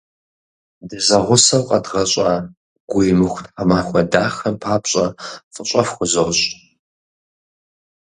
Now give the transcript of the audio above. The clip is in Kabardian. Дызэгъусэу къэдгъэщӏа гуимыхуж тхьэмахуэ дахэм папщӏэ фӏыщӏэ фхузощӏ!